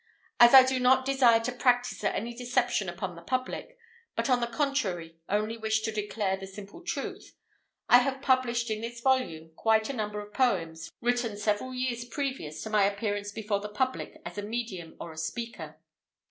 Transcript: As I do not desire to practise any deception upon the public, but on the contrary only wish to declare the simple truth, I have published in this volume quite a number of poems, written several years previous to my appearance before the public as a medium or a speaker.